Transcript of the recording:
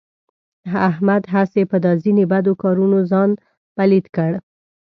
احمد هسې په دا ځنې بدو کارونو ځان پلیت کړ.